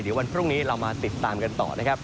เดี๋ยววันพรุ่งนี้เรามาติดตามกันต่อนะครับ